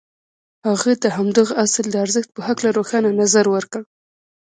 هغه د همدغه اصل د ارزښت په هکله روښانه نظر ورکړ.